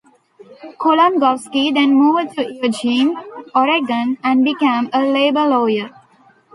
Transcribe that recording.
Kulongoski then moved to Eugene, Oregon and became a labor lawyer.